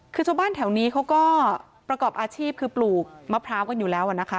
คือชาวบ้านแถวนี้เขาก็ประกอบอาชีพคือปลูกมะพร้าวกันอยู่แล้วนะคะ